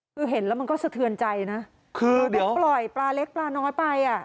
คือเห็นแล้วมันก็สะเทือนใจนะคือเดี๋ยวปล่อยปลาเล็กปลาน้อยไปอ่ะ